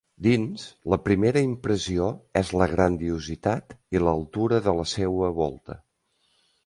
Dins, la primera impressió és la grandiositat i l'altura de la seua volta.